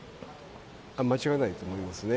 間違いないと思いますね。